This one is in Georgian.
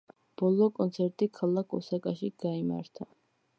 ბოლო კონცერტი ქალაქ ოსაკაში გაიმართა.